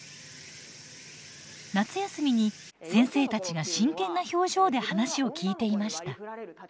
夏休みに先生たちが真剣な表情で話を聞いていました。